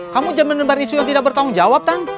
kamu jaman nembar isu yang tidak bertanggung jawab tang